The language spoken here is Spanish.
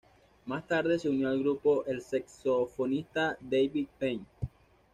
Más tarde se unió al grupo el saxofonista Davey Payne.